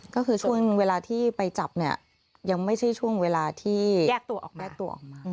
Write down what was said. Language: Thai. ก็คือช่วงเวลาที่ไปจับเนี่ยยังไม่ใช่ช่วงเวลาที่แยกตัวออกแยกตัวออกมา